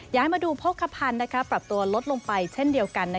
มาดูโภคภัณฑ์ปรับตัวลดลงไปเช่นเดียวกัน